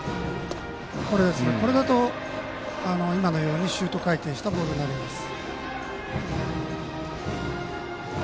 これだと今のようにシュート回転したボールになるんです。